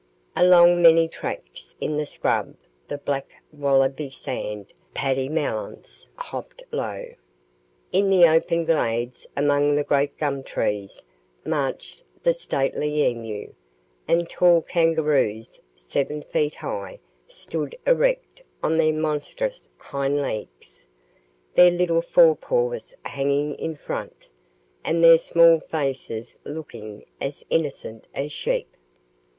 Along many tracks in the scrub the black wallabiesand paddy melons hopped low. In the open glades among the great gum trees marched the stately emu, and tall kangaroos, seven feet high, stood erect on their monstrous hind legs, their little fore paws hanging in front, and their small faces looking as innocent as sheep.